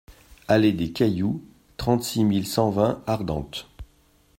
Allée des Cailloux, trente-six mille cent vingt Ardentes